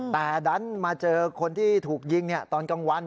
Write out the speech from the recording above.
แต่ดันมาเจอคนที่ถูกยิงตอนกลางวัน